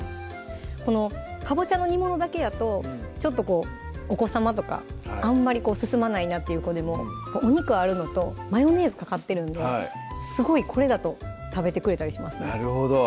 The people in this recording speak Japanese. このかぼちゃの煮物だけやとちょっとこうお子さまとかあんまり進まないなっていう子でもお肉あるのとマヨネーズかかってるんですごいこれだと食べてくれたりしますね